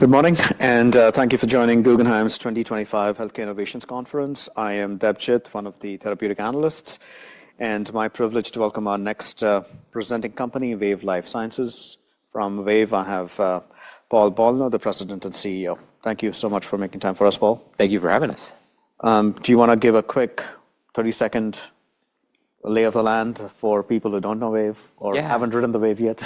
Good morning, and thank you for joining Guggenheim's 2025 Healthcare Innovations Conference. I am Debjit, one of the therapeutic analysts, and my privilege to welcome our next presenting company, Wave Life Sciences. From Wave, I have Paul Bolno, the President and CEO. Thank you so much for making time for us, Paul. Thank you for having us. Do you want to give a quick 30-second lay of the land for people who do not know Wave or have not ridden the Wave yet?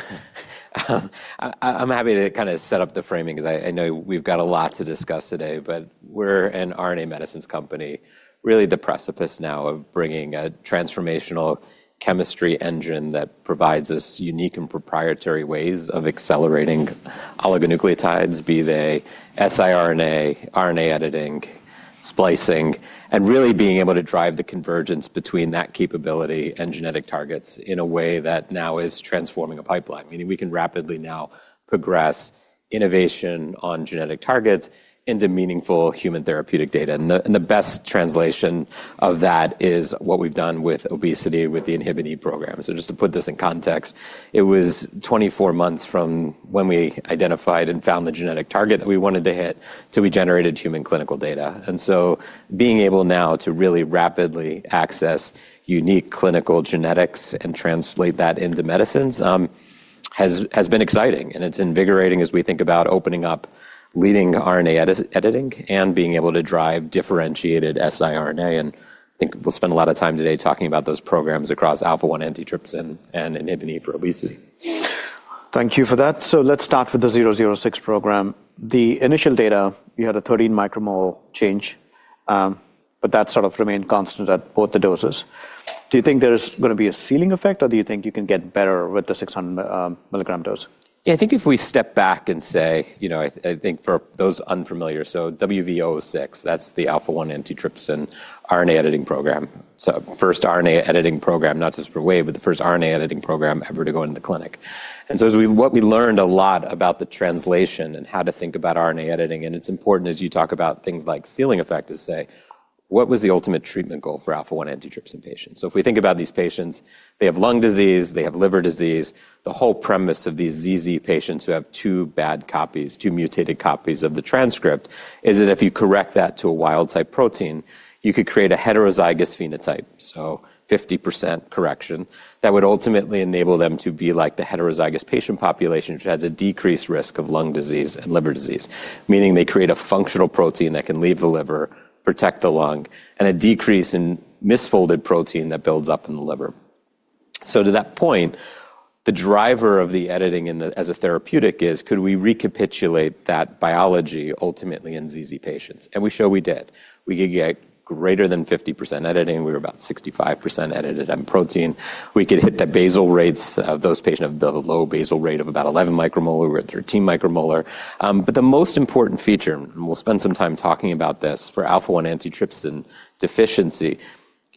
I'm happy to kind of set up the framing because I know we've got a lot to discuss today, but we're an RNA medicines company, really the precipice now of bringing a transformational chemistry engine that provides us unique and proprietary ways of accelerating oligonucleotides, be they siRNA, RNA editing, splicing, and really being able to drive the convergence between that capability and genetic targets in a way that now is transforming a pipeline. Meaning we can rapidly now progress innovation on genetic targets into meaningful human therapeutic data. The best translation of that is what we've done with obesity with the INHBE program. Just to put this in context, it was 24 months from when we identified and found the genetic target that we wanted to hit to we generated human clinical data. Being able now to really rapidly access unique clinical genetics and translate that into medicines has been exciting. It is invigorating as we think about opening up leading RNA editing and being able to drive differentiated siRNA. I think we'll spend a lot of time today talking about those programs across Alpha-1 Antitrypsin and INHBE for obesity. Thank you for that. Let's start with the 006 program. The initial data, you had a 13 micromole change, but that sort of remained constant at both the doses. Do you think there's going to be a ceiling effect, or do you think you can get better with the 600 mg dose? Yeah, I think if we step back and say, you know, I think for those unfamiliar, so WVE-006, that's the Alpha-1 Antitrypsin RNA editing program. First RNA editing program, not just for Wave, but the first RNA editing program ever to go into the clinic. What we learned a lot about the translation and how to think about RNA editing, and it's important as you talk about things like ceiling effect to say, what was the ultimate treatment goal for Alpha-1 Antitrypsin patients? If we think about these patients, they have lung disease, they have liver disease. The whole premise of these ZZ patients who have two bad copies, two mutated copies of the transcript is that if you correct that to a wild-type protein, you could create a heterozygous phenotype, so 50% correction, that would ultimately enable them to be like the heterozygous patient population, which has a decreased risk of lung disease and liver disease, meaning they create a functional protein that can leave the liver, protect the lung, and a decrease in misfolded protein that builds up in the liver. To that point, the driver of the editing as a therapeutic is, could we recapitulate that biology ultimately in ZZ patients? We show we did. We could get greater than 50% editing. We were about 65% edited on protein. We could hit the basal rates of those patients who have a low basal rate of about 11 micromolar. We're at 13 micromolar. The most important feature, and we'll spend some time talking about this for Alpha-1 Antitrypsin Deficiency,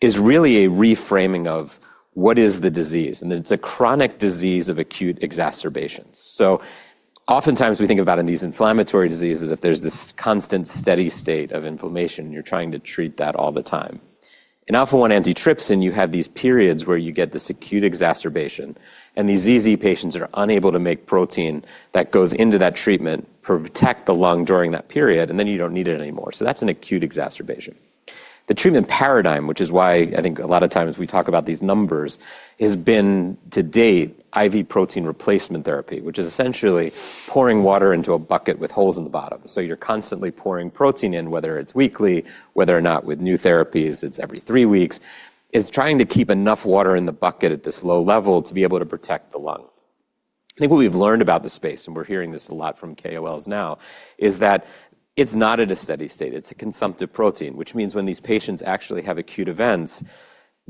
is really a reframing of what is the disease, and that it's a chronic disease of acute exacerbations. Oftentimes we think about in these inflammatory diseases, if there's this constant steady state of inflammation, you're trying to treat that all the time. In Alpha-1 Antitrypsin, you have these periods where you get this acute exacerbation, and these ZZ patients are unable to make protein that goes into that treatment, protect the lung during that period, and then you don't need it anymore. That's an acute exacerbation. The treatment paradigm, which is why I think a lot of times we talk about these numbers, has been to date IV protein replacement therapy, which is essentially pouring water into a bucket with holes in the bottom. You're constantly pouring protein in, whether it's weekly, whether or not with new therapies, it's every three weeks, is trying to keep enough water in the bucket at this low level to be able to protect the lung. I think what we've learned about the space, and we're hearing this a lot from KOLs now, is that it's not at a steady state. It's a consumptive protein, which means when these patients actually have acute events,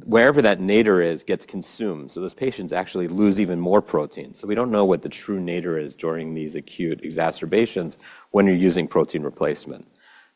wherever that is, gets consumed. Those patients actually lose even more protein. We don't know what the true nadir is during these acute exacerbations when you're using protein replacement.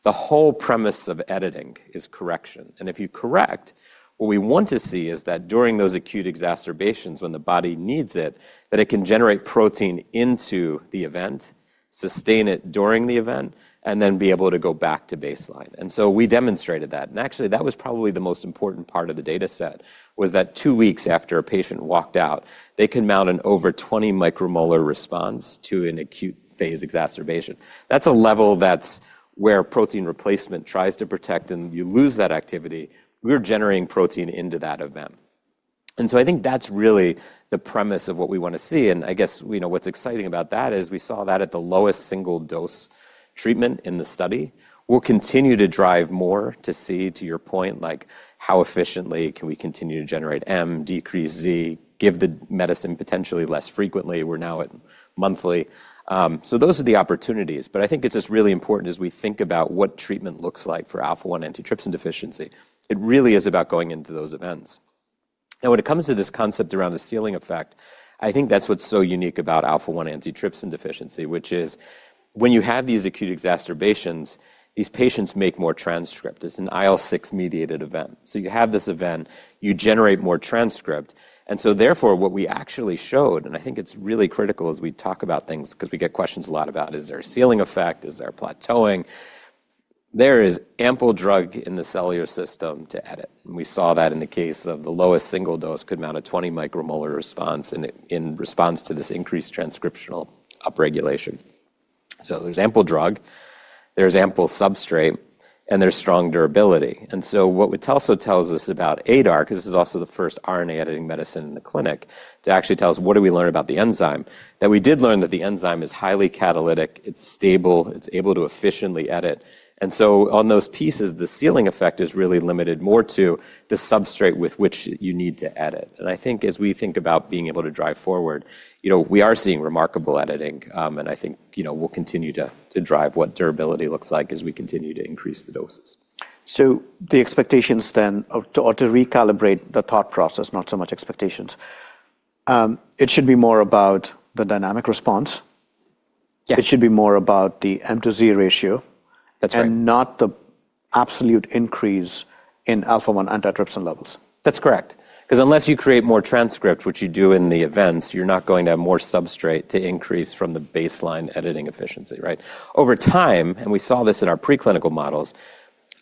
The whole premise of editing is correction. If you correct, what we want to see is that during those acute exacerbations, when the body needs it, that it can generate protein into the event, sustain it during the event, and then be able to go back to baseline. We demonstrated that. Actually, that was probably the most important part of the data set, that two weeks after a patient walked out, they can mount an over 20 micromolar response to an acute phase exacerbation. That is a level where protein replacement tries to protect, and you lose that activity. We are generating protein into that event. I think that is really the premise of what we want to see. I guess, you know, what is exciting about that is we saw that at the lowest single dose treatment in the study. We'll continue to drive more to see, to your point, like how efficiently can we continue to generate M, decrease Z, give the medicine potentially less frequently. We're now at monthly. Those are the opportunities. I think it's just really important as we think about what treatment looks like for Alpha-1 Antitrypsin Deficiency. It really is about going into those events. Now, when it comes to this concept around the ceiling effect, I think that's what's so unique about Alpha-1 Antitrypsin Deficiency, which is when you have these acute exacerbations, these patients make more transcript. It's an IL-6 mediated event. You have this event, you generate more transcript. Therefore, what we actually showed, and I think it's really critical as we talk about things, because we get questions a lot about, is there a ceiling effect? Is there a plateauing? There is ample drug in the cellular system to edit. We saw that in the case of the lowest single dose could mount a 20 micromolar response in response to this increased transcriptional upregulation. There is ample drug, there is ample substrate, and there is strong durability. What it also tells us about ADAR, because this is also the first RNA editing medicine in the clinic, to actually tell us what do we learn about the enzyme, that we did learn that the enzyme is highly catalytic, it is stable, it is able to efficiently edit. On those pieces, the ceiling effect is really limited more to the substrate with which you need to edit. I think as we think about being able to drive forward, you know, we are seeing remarkable editing, and I think, you know, we'll continue to drive what durability looks like as we continue to increase the doses. The expectations then are to recalibrate the thought process, not so much expectations. It should be more about the dynamic response. Yes. It should be more about the M to Z ratio. That's right. Not the absolute increase in Alpha-1 Antitrypsin levels. That's correct. Because unless you create more transcript, which you do in the events, you're not going to have more substrate to increase from the baseline editing efficiency, right? Over time, and we saw this in our preclinical models,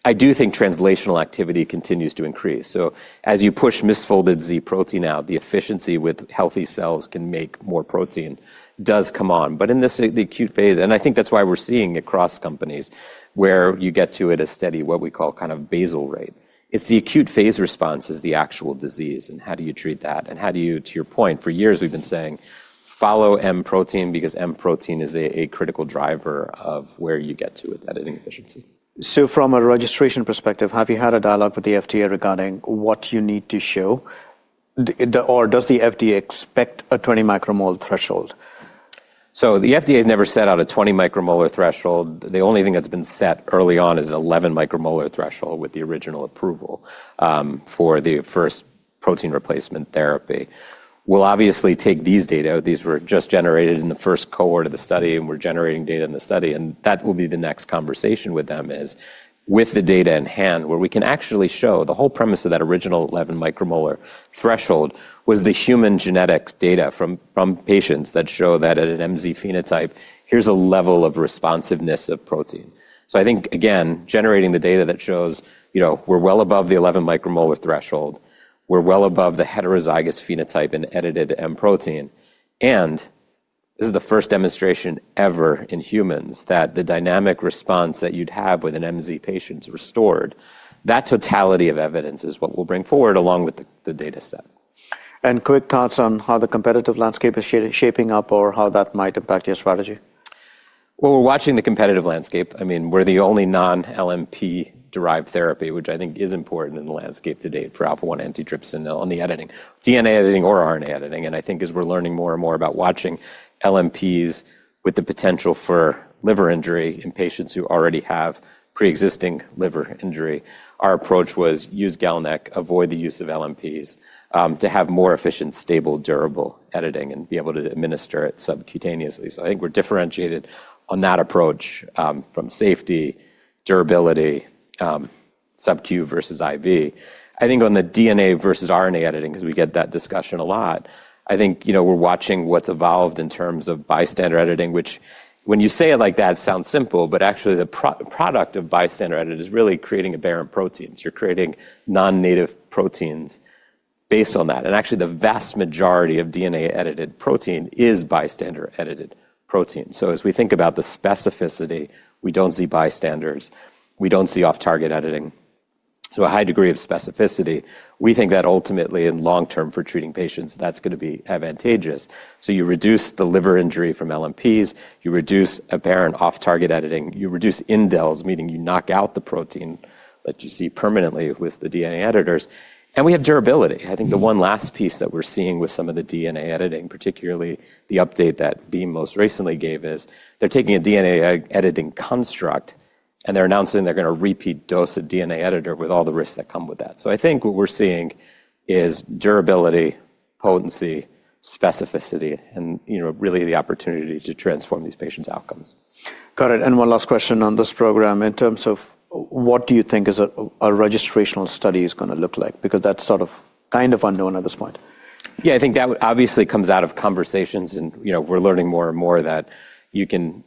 I do think translational activity continues to increase. As you push misfolded Z protein out, the efficiency with healthy cells can make more protein does come on. In this acute phase, and I think that's why we're seeing across companies where you get to at a steady, what we call kind of basal rate, it's the acute phase response is the actual disease. How do you treat that? How do you, to your point, for years we've been saying, follow M protein because M protein is a critical driver of where you get to with editing efficiency. From a registration perspective, have you had a dialogue with the FDA regarding what you need to show? Does the FDA expect a 20-micromole threshold? The FDA has never set out a 20-micromolar threshold. The only thing that's been set early on is an 11-micromolar threshold with the original approval for the first protein replacement therapy. We'll obviously take these data. These were just generated in the first cohort of the study, and we're generating data in the study. That will be the next conversation with them, is with the data in hand, where we can actually show the whole premise of that original 11-micromolar threshold was the human genetic data from patients that show that at an MZ phenotype, here's a level of responsiveness of protein. I think, again, generating the data that shows, you know, we're well above the 11-micromolar threshold, we're well above the heterozygous phenotype and edited M protein. This is the first demonstration ever in humans that the dynamic response that you'd have with an MZ patient is restored. That totality of evidence is what we'll bring forward along with the data set. Quick thoughts on how the competitive landscape is shaping up or how that might impact your strategy? We're watching the competitive landscape. I mean, we're the only non-LNP derived therapy, which I think is important in the landscape to date for Alpha-1 Antitrypsin on the editing, DNA editing or RNA editing. I think as we're learning more and more about watching LNPs with the potential for liver injury in patients who already have pre-existing liver injury, our approach was use GalNAc, avoid the use of LNPs to have more efficient, stable, durable editing and be able to administer it subcutaneously. I think we're differentiated on that approach from safety, durability, subQ versus IV. I think on the DNA versus RNA editing, because we get that discussion a lot, I think, you know, we're watching what's evolved in terms of bystander editing, which when you say it like that sounds simple, but actually the product of bystander edit is really creating aberrant proteins. You're creating non-native proteins based on that. Actually, the vast majority of DNA edited protein is bystander edited protein. As we think about the specificity, we don't see bystanders, we don't see off-target editing. A high degree of specificity, we think that ultimately in long term for treating patients, that's going to be advantageous. You reduce the liver injury from LNPs, you reduce aberrant off-target editing, you reduce indels, meaning you knock out the protein that you see permanently with the DNA editors. We have durability. I think the one last piece that we're seeing with some of the DNA editing, particularly the update that Beam most recently gave, is they're taking a DNA editing construct and they're announcing they're going to repeat dose of DNA editor with all the risks that come with that. I think what we're seeing is durability, potency, specificity, and you know, really the opportunity to transform these patients' outcomes. Got it. One last question on this program in terms of what do you think a registrational study is going to look like? Because that's sort of kind of unknown at this point. Yeah, I think that obviously comes out of conversations and, you know, we're learning more and more that you can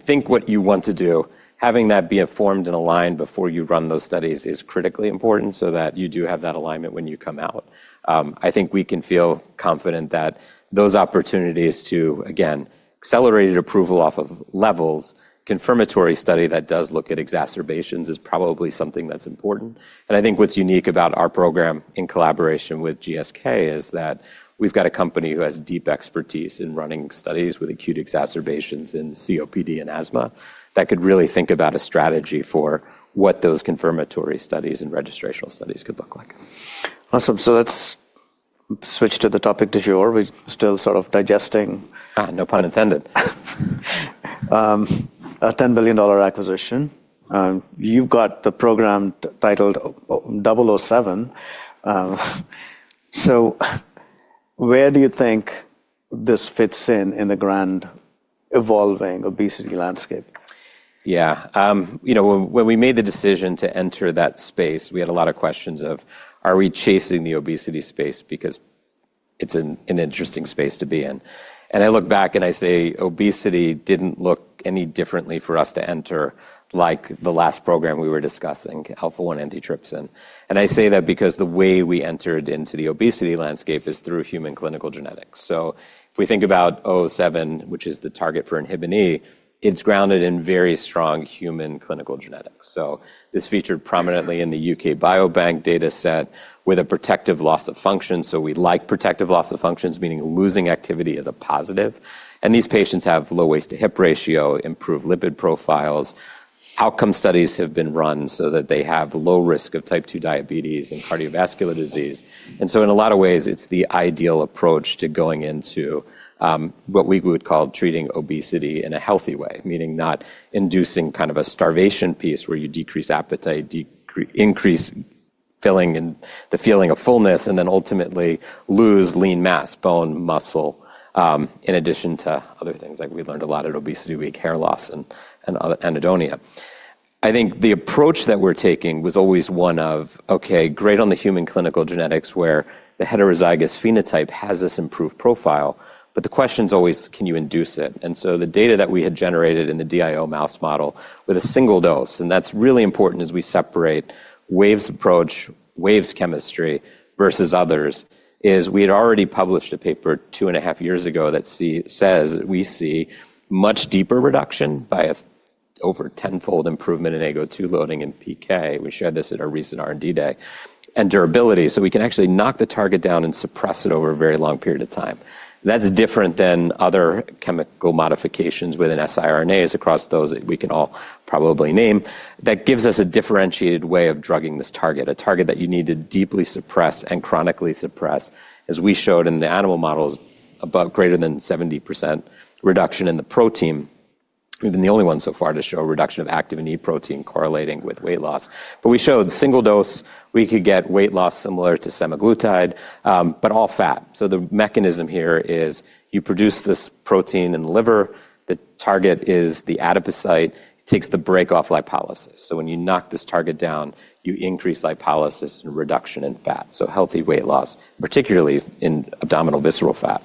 think what you want to do. Having that be informed and aligned before you run those studies is critically important so that you do have that alignment when you come out. I think we can feel confident that those opportunities to, again, accelerated approval off of levels, confirmatory study that does look at exacerbations is probably something that's important. I think what's unique about our program in collaboration with GSK is that we've got a company who has deep expertise in running studies with acute exacerbations in COPD and asthma that could really think about a strategy for what those confirmatory studies and registrational studies could look like. Awesome. Let's switch to the topic to shore. We're still sort of digesting. No pun intended. A $10 billion acquisition. You've got the program titled 007. Where do you think this fits in in the grand evolving obesity landscape? Yeah. You know, when we made the decision to enter that space, we had a lot of questions of, are we chasing the obesity space because it's an interesting space to be in? I look back and I say obesity didn't look any differently for us to enter like the last program we were discussing, Alpha-1 Antitrypsin. I say that because the way we entered into the obesity landscape is through human clinical genetics. If we think about 007, which is the target for INHBE, it's grounded in very strong human clinical genetics. This featured prominently in the U.K. Biobank data set with a protective loss of function. We like protective loss of functions, meaning losing activity is a positive. These patients have low waist to hip ratio, improved lipid profiles. Outcome studies have been run so that they have low risk of type 2 diabetes and cardiovascular disease. In a lot of ways, it is the ideal approach to going into what we would call treating obesity in a healthy way, meaning not inducing kind of a starvation piece where you decrease appetite, increase filling and the feeling of fullness, and then ultimately lose lean mass, bone, muscle, in addition to other things like we learned a lot at Obesity Week, hair loss and anhedonia. I think the approach that we are taking was always one of, okay, great on the human clinical genetics where the heterozygous phenotype has this improved profile, but the question is always, can you induce it? The data that we had generated in the DIO mice model with a single dose, and that's really important as we separate Wave's approach, Wave's chemistry versus others, is we had already published a paper two and a half years ago that says, we see much deeper reduction by over tenfold improvement in AGO2 loading in PK. We shared this at our recent R&D day. And durability. We can actually knock the target down and suppress it over a very long period of time. That's different than other chemical modifications within siRNAs across those that we can all probably name. That gives us a differentiated way of drugging this target, a target that you need to deeply suppress and chronically suppress, as we showed in the animal models about greater than 70% reduction in the protein. We've been the only one so far to show a reduction of Activin E protein correlating with weight loss. We showed single dose, we could get weight loss similar to Semaglutide, but all fat. The mechanism here is you produce this protein in the liver. The target is the adipocyte, takes the brake off lipolysis. When you knock this target down, you increase lipolysis and reduction in fat. Healthy weight loss, particularly in abdominal visceral fat.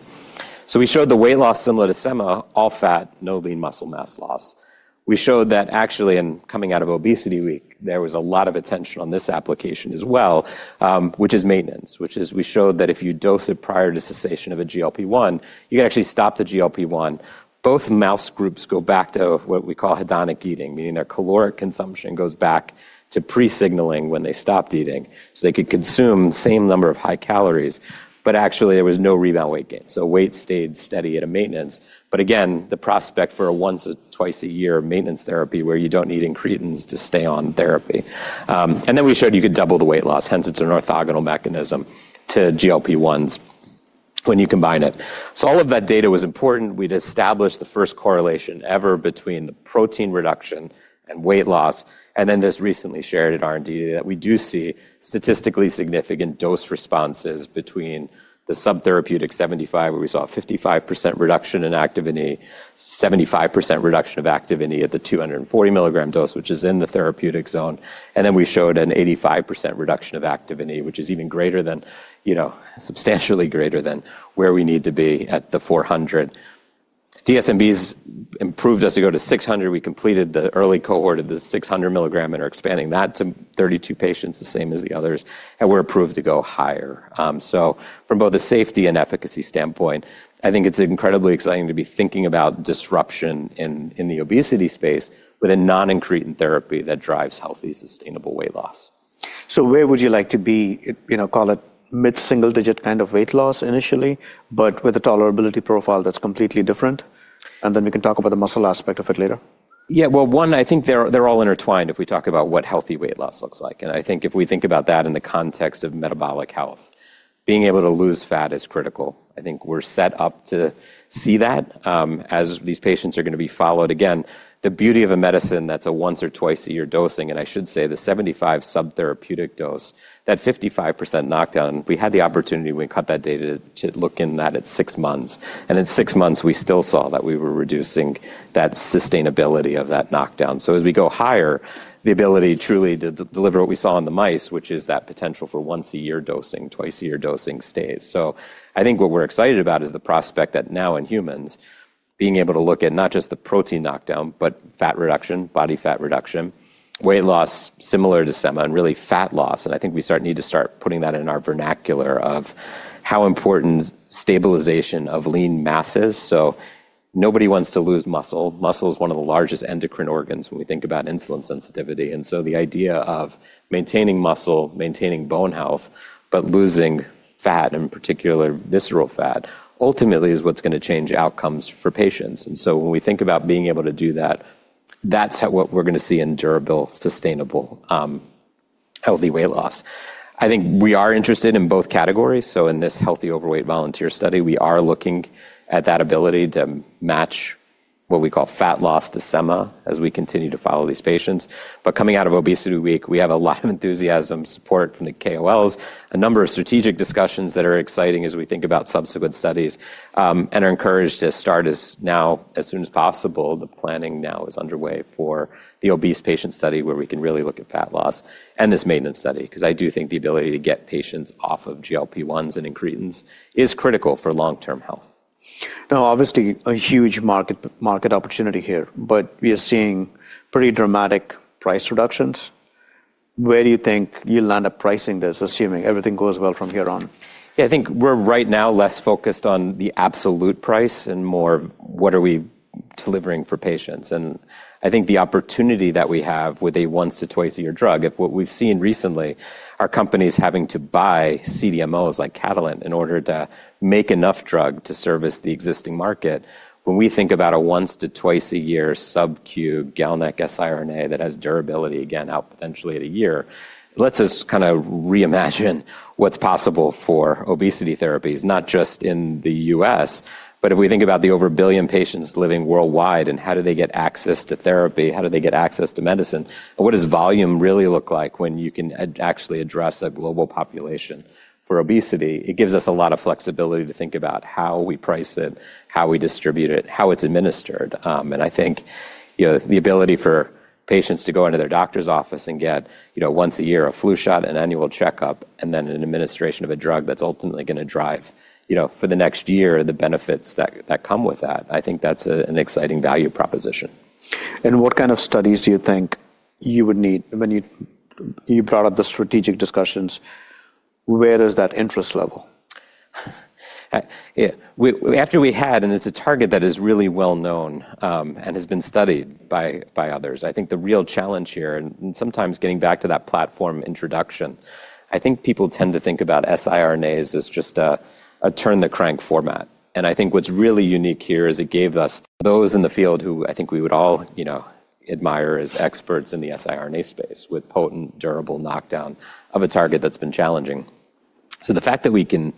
We showed the weight loss similar to Sema, all fat, no lean muscle mass loss. We showed that actually in coming out of Obesity Week, there was a lot of attention on this application as well, which is maintenance, which is we showed that if you dose it prior to cessation of a GLP-1, you can actually stop the GLP-1. Both mouse groups go back to what we call hedonic eating, meaning their caloric consumption goes back to pre-signaling when they stopped eating. They could consume the same number of high calories, but actually there was no rebound weight gain. Weight stayed steady at a maintenance. Again, the prospect for a once or twice a year maintenance therapy where you do not need incretins to stay on therapy. We showed you could double the weight loss, hence it is an orthogonal mechanism to GLP-1s when you combine it. All of that data was important. We had established the first correlation ever between the protein reduction and weight loss. Just recently shared at R&D that we do see statistically significant dose responses between the subtherapeutic 75, where we saw a 55% reduction in Activin E, 75% reduction of Activin E at the 240 milligram dose, which is in the therapeutic zone. We showed an 85% reduction of Activin E, which is even greater than, you know, substantially greater than where we need to be at the 400. DSMBs approved us to go to 600. We completed the early cohort of the 600 mg and are expanding that to 32 patients, the same as the others. We are approved to go higher. From both a safety and efficacy standpoint, I think it's incredibly exciting to be thinking about disruption in the obesity space with a non-incretin therapy that drives healthy, sustainable weight loss. Where would you like to be, you know, call it mid-single digit kind of weight loss initially, but with a tolerability profile that's completely different? And then we can talk about the muscle aspect of it later. Yeah, one, I think they're all intertwined if we talk about what healthy weight loss looks like. I think if we think about that in the context of metabolic health, being able to lose fat is critical. I think we're set up to see that as these patients are going to be followed. Again, the beauty of a medicine that's a once or twice a year dosing, and I should say the 75 subtherapeutic dose, that 55% knockdown, we had the opportunity, we cut that data to look in that at six months. In six months, we still saw that we were reducing that sustainability of that knockdown. As we go higher, the ability truly to deliver what we saw in the mice, which is that potential for once a year dosing, twice a year dosing stays. I think what we're excited about is the prospect that now in humans, being able to look at not just the protein knockdown, but fat reduction, body fat reduction, weight loss similar to Sema, and really fat loss. I think we need to start putting that in our vernacular of how important stabilization of lean mass is. Nobody wants to lose muscle. Muscle is one of the largest endocrine organs when we think about insulin sensitivity. The idea of maintaining muscle, maintaining bone health, but losing fat, in particular visceral fat, ultimately is what's going to change outcomes for patients. When we think about being able to do that, that's what we're going to see in durable, sustainable, healthy weight loss. I think we are interested in both categories. In this healthy overweight volunteer study, we are looking at that ability to match what we call fat loss to Sema as we continue to follow these patients. Coming out of Obesity Week, we have a lot of enthusiasm, support from the KOLs, a number of strategic discussions that are exciting as we think about subsequent studies and are encouraged to start as now, as soon as possible. The planning now is underway for the obese patient study where we can really look at fat loss and this maintenance study, because I do think the ability to get patients off of GLP-1s and incretins is critical for long-term health. Now, obviously a huge market opportunity here, but we are seeing pretty dramatic price reductions. Where do you think you'll end up pricing this, assuming everything goes well from here on? Yeah, I think we're right now less focused on the absolute price and more what are we delivering for patients. I think the opportunity that we have with a once to twice a year drug, if what we've seen recently, are companies having to buy CDMOs like Catalent in order to make enough drug to service the existing market, when we think about a once to twice a year subQ GalNAc siRNA that has durability, again, out potentially at a year, it lets us kind of reimagine what's possible for obesity therapies, not just in the U.S., but if we think about the over a billion patients living worldwide and how do they get access to therapy, how do they get access to medicine, and what does volume really look like when you can actually address a global population for obesity, it gives us a lot of flexibility to think about how we price it, how we distribute it, how it's administered. I think, you know, the ability for patients to go into their doctor's office and get, you know, once a year a flu shot, an annual checkup, and then an administration of a drug that's ultimately going to drive, you know, for the next year, the benefits that come with that, I think that's an exciting value proposition. What kind of studies do you think you would need when you brought up the strategic discussions? Where is that interest level? After we had, and it's a target that is really well known and has been studied by others. I think the real challenge here, and sometimes getting back to that platform introduction, I think people tend to think about siRNAs as just a turn-the-crank format. I think what's really unique here is it gave us those in the field who I think we would all, you know, admire as experts in the siRNA space with potent, durable knockdown of a target that's been challenging. The fact that we can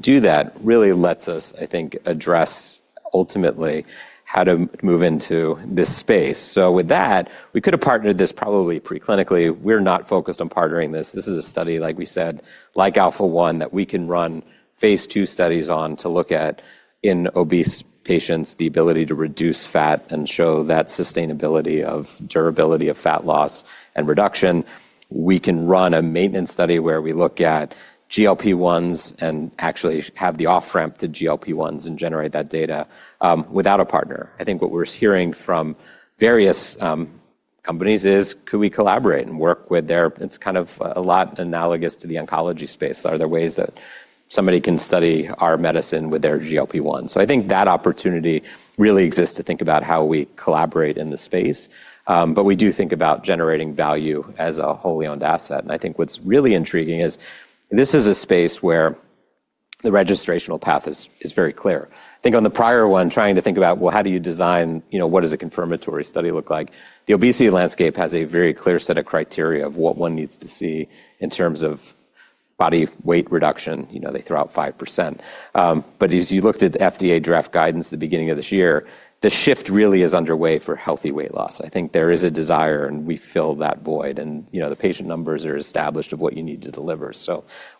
do that really lets us, I think, address ultimately how to move into this space. With that, we could have partnered this probably preclinically. We're not focused on partnering this. This is a study, like we said, like Alpha-1 that we can run Phase 2 studies on to look at in obese patients, the ability to reduce fat and show that sustainability of durability of fat loss and reduction. We can run a maintenance study where we look at GLP-1s and actually have the off-ramp to GLP-1s and generate that data without a partner. I think what we're hearing from various companies is, could we collaborate and work with their, it's kind of a lot analogous to the oncology space. Are there ways that somebody can study our medicine with their GLP-1? I think that opportunity really exists to think about how we collaborate in the space. We do think about generating value as a wholly owned asset. I think what's really intriguing is this is a space where the registrational path is very clear. I think on the prior one, trying to think about, well, how do you design, you know, what does a confirmatory study look like? The obesity landscape has a very clear set of criteria of what one needs to see in terms of body weight reduction. You know, they throw out 5%. As you looked at the FDA draft guidance at the beginning of this year, the shift really is underway for healthy weight loss. I think there is a desire and we fill that void. You know, the patient numbers are established of what you need to deliver.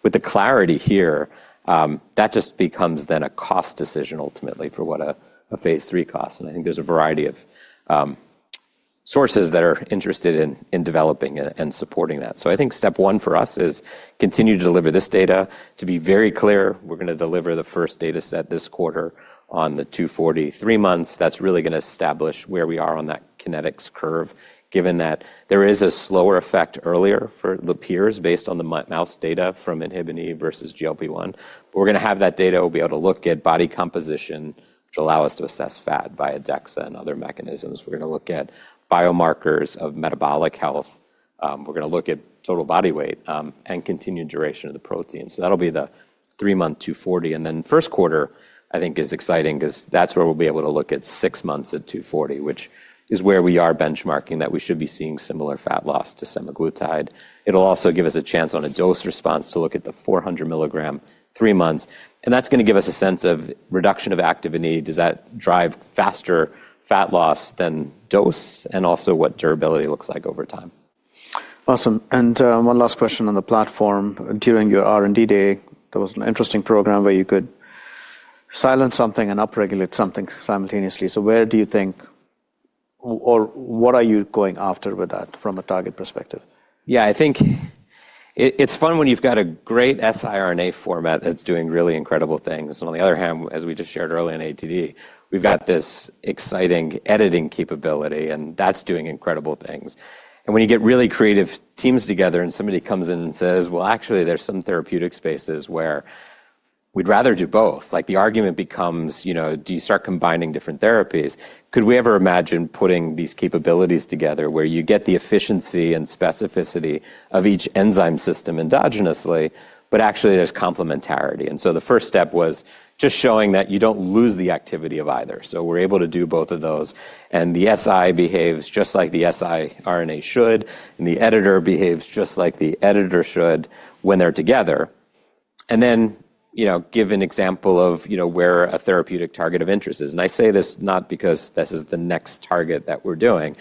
With the clarity here, that just becomes then a cost decision ultimately for what a Phase 3 costs. I think there's a variety of sources that are interested in developing and supporting that. I think step one for us is continue to deliver this data to be very clear. We're going to deliver the first data set this quarter on the three months. That's really going to establish where we are on that kinetics curve, given that there is a slower effect earlier for the peers based on the mouse data from INHBE versus GLP-1. We're going to have that data. We'll be able to look at body composition, which allow us to assess fat via DEXA and other mechanisms. We're going to look at biomarkers of metabolic health. We're going to look at total body weight and continued duration of the protein. That'll be the three-month data. First quarter, I think is exciting because that's where we'll be able to look at six months at 240, which is where we are benchmarking that we should be seeing similar fat loss to Semaglutide. It'll also give us a chance on a dose response to look at the 400 mg three months. And that's going to give us a sense of reduction of Activin E. Does that drive faster fat loss than dose and also what durability looks like over time? Awesome. One last question on the platform. During your R&D Day, there was an interesting program where you could silence something and upregulate something simultaneously. Where do you think, or what are you going after with that from a target perspective? Yeah, I think it's fun when you've got a great siRNA format that's doing really incredible things. On the other hand, as we just shared early in AATD, we've got this exciting editing capability and that's doing incredible things. When you get really creative teams together and somebody comes in and says, you know, actually there's some therapeutic spaces where we'd rather do both. Like the argument becomes, you know, do you start combining different therapies? Could we ever imagine putting these capabilities together where you get the efficiency and specificity of each enzyme system endogenously, but actually there's complementarity? The first step was just showing that you don't lose the activity of either. We're able to do both of those. The si behaves just like the siRNA should. The editor behaves just like the editor should when they're together. You know, give an example of, you know, where a therapeutic target of interest is. I say this not because this is the next target that we're doing,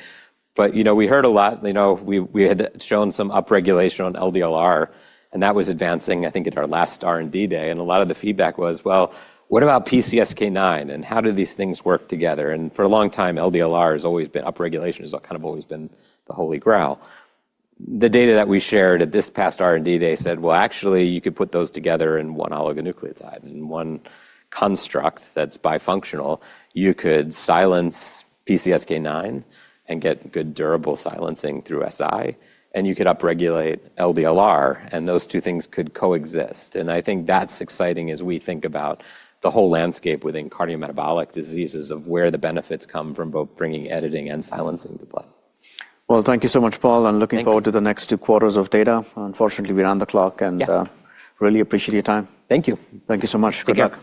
but, you know, we heard a lot, you know, we had shown some upregulation on LDLR and that was advancing, I think, at our last R&D Day. A lot of the feedback was, well, what about PCSK9 and how do these things work together? For a long time, LDLR has always been upregulation has kind of always been the Holy Grail. The data that we shared at this past R&D Day said, well, actually you could put those together in one oligonucleotide and one construct that's bifunctional. You could silence PCSK9 and get good durable silencing through si, and you could upregulate LDLR and those two things could coexist. I think that's exciting as we think about the whole landscape within cardiometabolic diseases of where the benefits come from both bringing editing and silencing to play. Thank you so much, Paul. I'm looking forward to the next two quarters of data. Unfortunately, we're on the clock and really appreciate your time. Thank you. Thank you so much. Good luck.